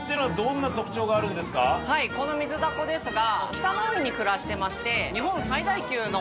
このミズダコですが。